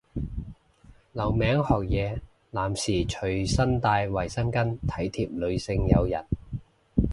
留名學嘢，男士隨身帶衛生巾體貼女性友人